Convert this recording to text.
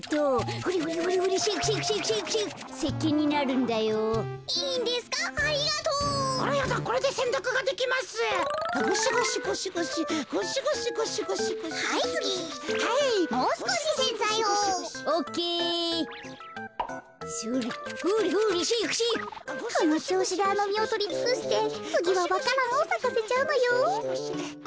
このちょうしであのみをとりつくしてつぎはわか蘭をさかせちゃうのよ。